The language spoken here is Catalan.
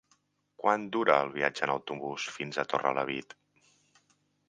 Quant dura el viatge en autobús fins a Torrelavit?